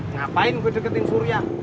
ngapain gue deketin surya